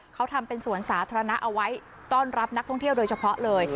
เขาทำเป็นสวนสาธารณะเอาไว้ต้อนรับนักท่องเที่ยวโดยเฉพาะเลย